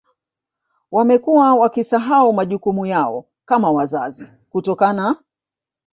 Wamekuwa wakisahau majukumu yao kama wazazi kutokana